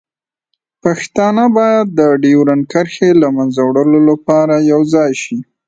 پښتانه باید د ډیورنډ کرښې له منځه وړلو لپاره یوځای شي.